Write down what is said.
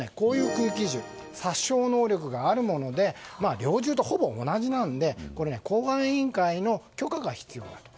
実は殺傷能力があるもので猟銃とほぼ同じなので公安委員会の許可が必要だと。